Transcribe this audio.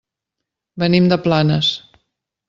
Venim de Planes.